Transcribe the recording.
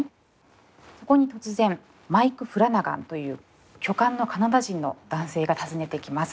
そこに突然マイク・フラナガンという巨漢のカナダ人の男性が訪ねてきます。